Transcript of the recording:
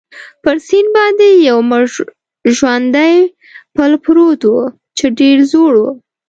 پر سیند باندې یو مړ ژواندی پل پروت وو، چې ډېر زوړ وو.